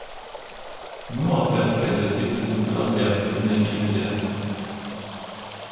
Nu aveam pregătit un plan de acțiune imediat.